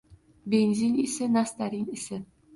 Benzin isi, nastarin isi